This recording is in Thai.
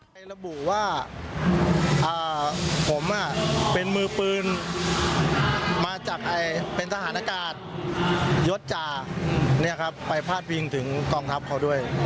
ไประบุว่าผมเป็นมือปืนมาจากเป็นทหารอากาศยศจ่าไปพาดพิงถึงกองทัพเขาด้วย